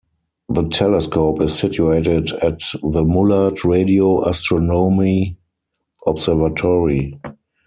The telescope is situated at the Mullard Radio Astronomy Observatory.